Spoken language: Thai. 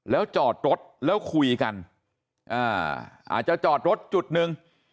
แล้วจอดรถแล้วคุยกันอ่าอาจจะจอดรถจุดหนึ่ง